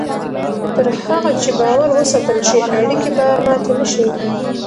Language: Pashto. تر هغه چې باور وساتل شي، اړیکې به ماتې نه شي.